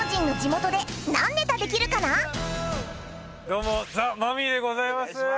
どうもザ・マミィでございます。